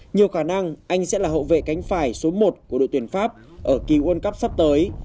nhiều khả năng anh sẽ là hậu vệ cánh phải số một của đội tuyển pháp ở kỳ world cup sắp tới